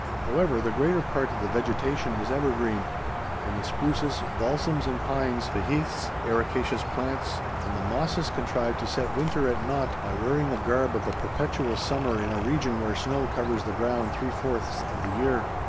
However, the greater part of the vegetation is evergreen, and the spruces, balsams, and pines, the heaths, ericaceous plants, and the mosses contrive to set winter at nought by wearing the garb of a perpetual summer in a region where snow covers the ground three fourths of the year.